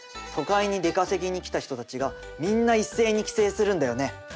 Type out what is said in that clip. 都会に出稼ぎに来た人たちがみんな一斉に帰省するんだよね。